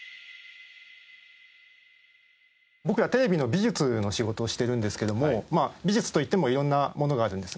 僕らテレビの美術の仕事をしてるんですけども美術といっても色んなものがあるんです。